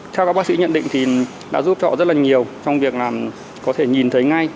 theo các bác sĩ nhận định thì đã giúp họ rất là nhiều trong việc là có thể nhìn thấy ngay